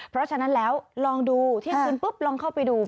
เพราะฉะนั้นแล้วลองดูเที่ยงคืนปุ๊บลองเข้าไปดู